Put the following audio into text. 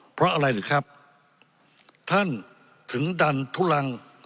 เพราะอะไรหรือครับท่านถึงดันทุลัง